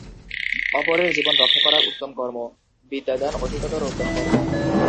অপরের জীবন রক্ষা করা উত্তম কর্ম, বিদ্যাদান অধিকতর উত্তম কর্ম।